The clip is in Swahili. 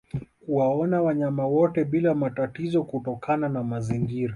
Kuwaona wanyama wote bila matatizo kutokana na mazingira